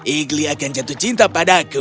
igli akan jatuh cinta padaku